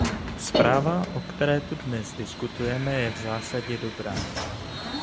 Zpráva, o které tu dnes diskutujeme, je v zásadě dobrá.